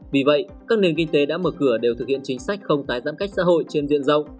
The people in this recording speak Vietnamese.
vì vậy các nền kinh tế đã mở cửa đều thực hiện chính sách không tái giãn cách xã hội trên diện rộng